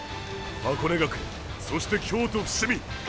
箱根学園そして京都伏見！